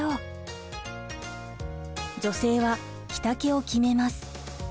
女性は着丈を決めます。